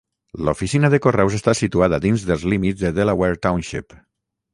L"oficina de correus està situada dins dels límits de Delaware Township.